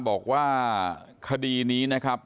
บอกว่าคดีนี้นะครับ